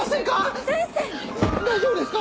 大丈夫ですか？